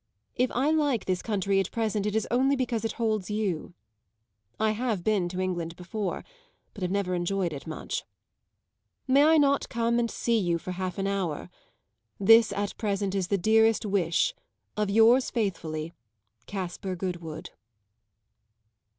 If I like this country at present it is only because it holds you. I have been to England before, but have never enjoyed it much. May I not come and see you for half an hour? This at present is the dearest wish of yours faithfully, CASPAR GOODWOOD.